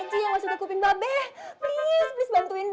om haji yang ngelabrak mahmud